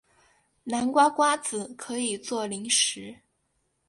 南瓜瓜子可以做零食。